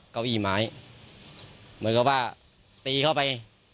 เก้าอี้ไม้เหมือนกับว่าตีเข้าไป